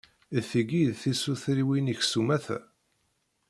D tigi i d tisutriwin-ik s umata?